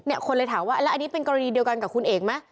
คนเลยถามว่าแล้วอันนี้เป็นกรณีเดียวกันกับคุณเอกไหม